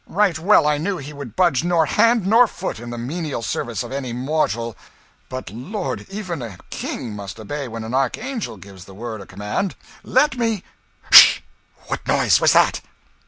Right well I knew he would budge nor hand nor foot in the menial service of any mortal; but, lord, even a king must obey when an archangel gives the word o' command! Let me 'sh! What noise was that?"